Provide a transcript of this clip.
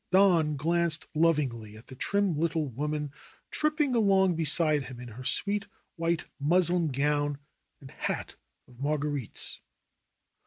Don glanced lovingly at the trim little woman trip ping along beside him in her sweet white muslin gown and hat of marguerites.